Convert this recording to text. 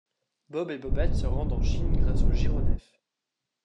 Bob et Bobette se rendent en Chine grâce au Gyronef.